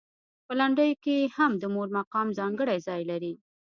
په لنډیو کې هم د مور مقام ځانګړی ځای لري.